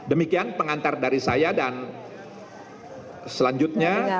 demikian pengantar dari saya dan selanjutnya kesempatan kepada